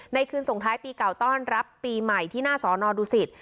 คืนส่งท้ายปีเก่าต้อนรับปีใหม่ที่หน้าสอนอดูสิต